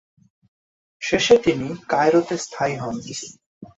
শেষে তিনি কায়রোতে স্থায়ী হন।